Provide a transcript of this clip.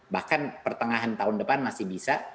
bahkan pertengahan tahun depan masih bisa